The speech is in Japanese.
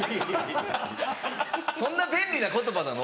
そんな便利な言葉なの？